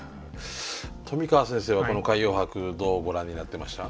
富川先生はこの海洋博どうご覧になってました？